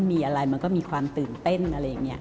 มีอะไรมันก็มีความตื่นเต้นอะไรอย่างนี้